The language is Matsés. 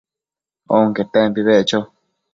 onquetempi beccho